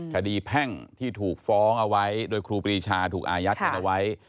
แพ่งที่ถูกฟ้องเอาไว้โดยครูปรีชาถูกอายัดกันเอาไว้